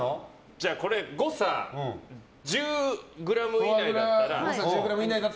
じゃあこれ誤差１０ｇ以内だったら。